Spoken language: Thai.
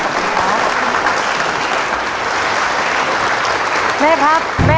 สวัสดีครับ